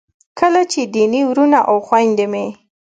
کله چې دیني وروڼه او خویندې مې